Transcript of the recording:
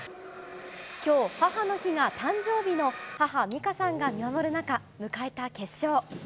きょう母の日が誕生日の母、美香さんが見守る中、迎えた決勝。